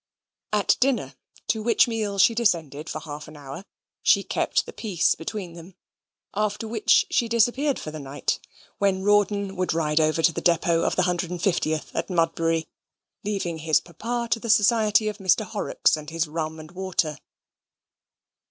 At dinner to which meal she descended for half an hour she kept the peace between them: after which she disappeared for the night; when Rawdon would ride over to the depot of the 150th at Mudbury, leaving his papa to the society of Mr. Horrocks and his rum and water.